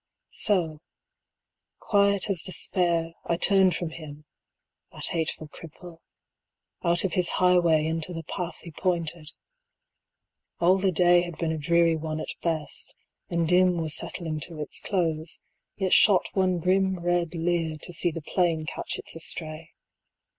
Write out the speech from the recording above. So, quiet as despair, I turned from him, That hateful cripple, out of his highway Into the path he pointed. All the day 45 Had been a dreary one at best, and dim Was settling to its close, yet shot one grim Red leer to see the plain catch its estray.